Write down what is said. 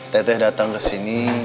teteh datang ke sini